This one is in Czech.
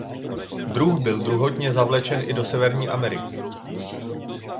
Druh byl druhotně zavlečen i do Severní Ameriky.